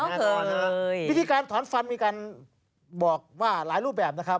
วิธีการถอนฟันมีการบอกว่าหลายรูปแบบนะครับ